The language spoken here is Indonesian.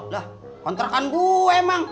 lah kontrakan gua emang